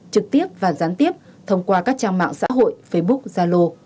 trực tiếp và gián tiếp thông qua các trang mạng xã hội facebook zalo